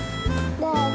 どうぞ。